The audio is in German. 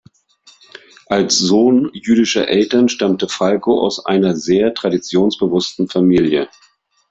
Als Sohn jüdischer Eltern stammte Falco aus einer sehr traditionsbewussten Familie.